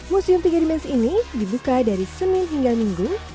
museum tiga dimenge ini dibuka dari senin hingga minggu